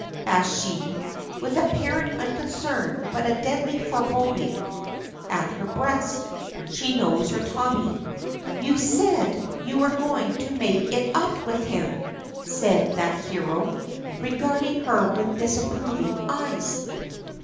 asks she, with apparent unconcern but a deadly foreboding at her breast. She knows her Tommy. "You said you were going to make it up with him!" says that hero, regarding her with disapproving eyes.